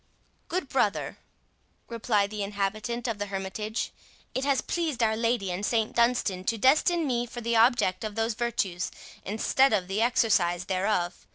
"Good brother," replied the inhabitant of the hermitage, "it has pleased Our Lady and St Dunstan to destine me for the object of those virtues, instead of the exercise thereof.